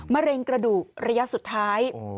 มะเร็งกระดูกระยะสุดท้าย